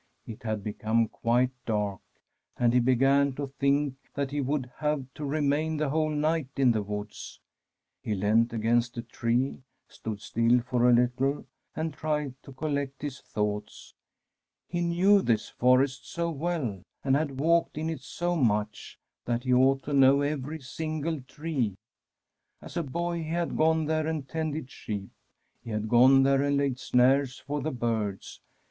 It had become quite dark, and he began to think that he would have to re m^n the whole night in the woods. He leant against a tree, stood still for a little, and tried to collect his thoughts. He knew this forest so well, and had walked in it so much, that he ought to know every single tree. As a boy he had gone there and tended sheep. He had gone there and laid snares for the birds.